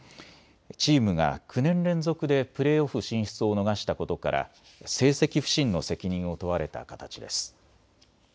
チームが９年連続でプレーオフ進出を逃したことから成績不振の責任を問われた形です。